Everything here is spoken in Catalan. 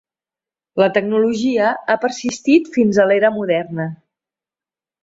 La tecnologia ha persistit fins a l'era moderna.